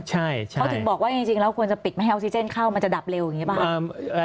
เขาถึงบอกว่าจริงแล้วควรจะปิดไม่ให้ออกซิเจนเข้ามันจะดับเร็วอย่างนี้ป่ะ